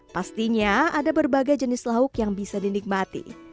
pastinya ada berbagai jenis lauk yang bisa dinikmati